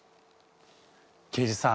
刑事さん。